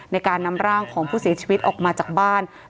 ในการนำร่างของผู้เสียชีวิตออกมาจากบ้าน